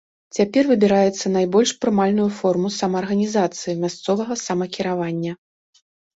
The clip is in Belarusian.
Цяпер выбіраецца найбольш прымальную форму самаарганізацыі, мясцовага самакіравання.